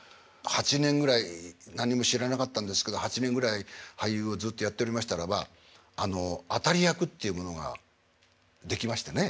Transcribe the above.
８年ぐらい何も知らなかったんですけど８年ぐらい俳優をずっとやっておりましたらば当たり役っていうものができましてね。